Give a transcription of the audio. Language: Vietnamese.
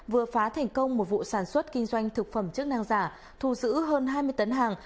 vừa phá thành công một vụ sản xuất kinh doanh thực phẩm chức năng giả thu giữ hơn hai mươi tấn hàng